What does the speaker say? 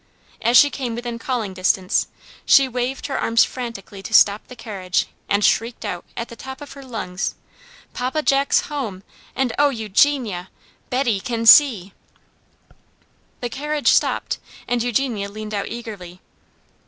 As she came within calling distance, she waved her arms frantically to stop the carriage, and shrieked out, at the top of her voice: "Papa Jack's home, and, oh, Eugenia, Betty can see!" The carriage stopped, and Eugenia leaned out eagerly.